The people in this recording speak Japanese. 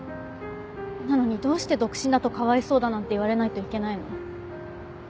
なのにどうして独身だとかわいそうだなんて言われないといけないの？